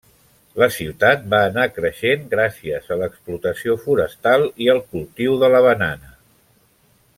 La ciutat va anar creixent gràcies a l'explotació forestal i el cultiu de la banana.